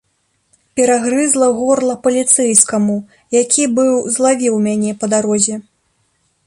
Перагрызла горла паліцэйскаму, які быў злавіў мяне па дарозе.